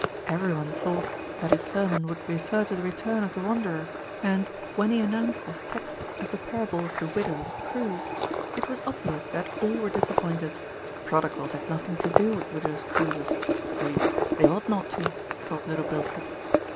Every one thought that his sermon would refer to the return of the wanderer 168 THE RETURN OF ALFRED and, when he announced his text as the parable of the widow's cruse, it was obvious that all were dis appointed prodigals had nothing to do with widows' cruses, at least they ought not to, thought Little Bilstead.